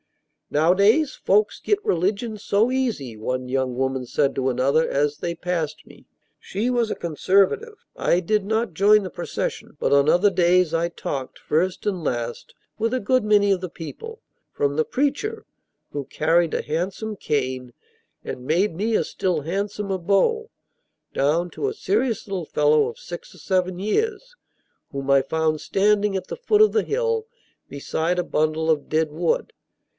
"Now' days folks git religion so easy!" one young woman said to another, as they passed me. She was a conservative. I did not join the procession, but on other days I talked, first and last, with a good many of the people; from the preacher, who carried a handsome cane and made me a still handsomer bow, down to a serious little fellow of six or seven years, whom I found standing at the foot of the hill, beside a bundle of dead wood.